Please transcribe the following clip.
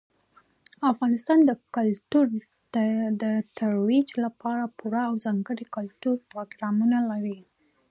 افغانستان د کلتور د ترویج لپاره پوره او ځانګړي ګټور پروګرامونه لري.